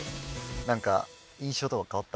なんか印象とか変わった？